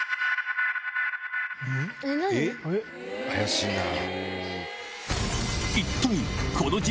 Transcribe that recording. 怪しいな。